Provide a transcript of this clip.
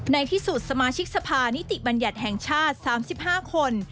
ในที่สุดสมาชิกสภานิติบัญญัติแห่งชาติ๓๕คน